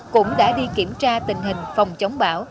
cũng đã đi kiểm tra tình hình phòng chống bão